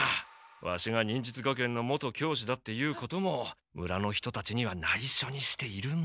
ワシが忍術学園の元教師だっていうことも村の人たちにはないしょにしているんだから。